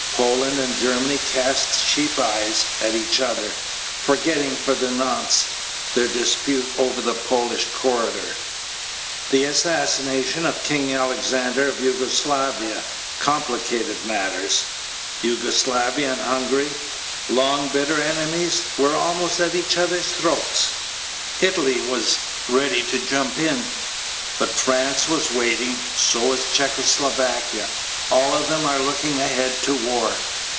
Poland and Germany cast sheep's eyes at each other, forgetting for the nonce [one unique occasion], their dispute over the Pohsh Corridor. The assassination of King Alexander of Jugoslavia [Yugoslavia] complicated matters. Jugoslavia and Hungary, long bitter enemies, were almost at each other's throats. Italy was ready to jump in. But France was waiting. So was Czechoslovakia. All of them are looking ahead to war.